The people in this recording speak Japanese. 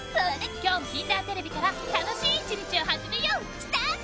今日も『きんだーてれび』から楽しい一日を始めよう！スタート！